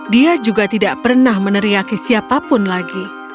dia juga tidak pernah meneriaki siapapun lagi